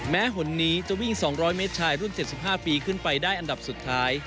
หนนี้จะวิ่ง๒๐๐เมตรชายรุ่น๗๕ปีขึ้นไปได้อันดับสุดท้าย